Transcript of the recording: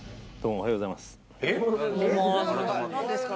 おはようございます。